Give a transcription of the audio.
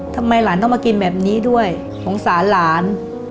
ทำไมหลานต้องมากินแบบนี้ด้วยสงสารหลาน